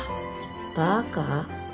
バカ？